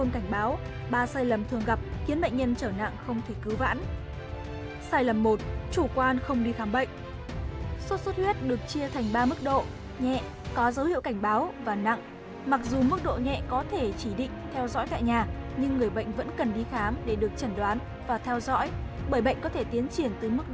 cảnh báo bệnh tiến triển theo chiếu hướng xấu như mệt mỏi khó chịu dù giảm sốt hoặc hết sốt